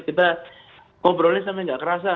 kita ngobrolnya sampai gak kerasa